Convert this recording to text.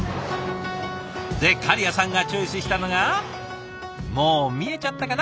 で狩屋さんがチョイスしたのがもう見えちゃったかな。